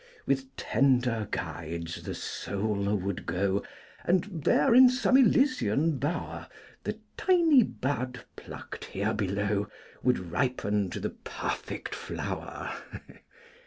With tender guides the soul would go And there, in some Elysian bower, The tiny bud plucked here below Would ripen to the perfect flower.